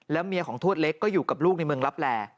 เมียของทวดเล็กก็อยู่กับลูกในเมืองลับแล